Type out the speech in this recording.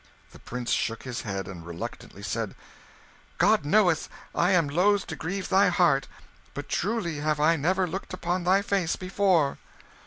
The Prince shook his head and reluctantly said "God knoweth I am loth to grieve thy heart; but truly have I never looked upon thy face before."